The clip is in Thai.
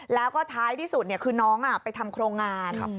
แล้วก็ท้ายที่สุดคือน้องไปทำโครงงาน